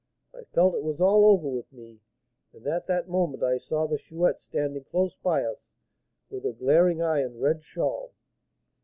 I felt it was all over with me, and at that moment I saw the Chouette standing close by us, with her glaring eye and red shawl.